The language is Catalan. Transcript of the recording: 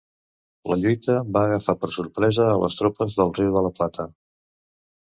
La lluita va agafar per sorpresa a les tropes del Riu de la Plata.